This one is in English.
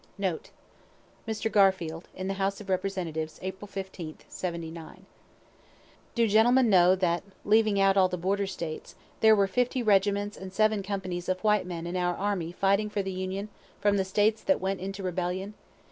Note: MR. GARFIELD (In the House of Representatives, April 15,'79.) "Do gentlemen know that (leaving out all the border States) there were fifty regiments and seven companies of white men in our army fighting for the Union from the States that went into rebellion?